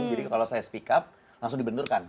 jadi kalau saya speak up langsung dibenturkan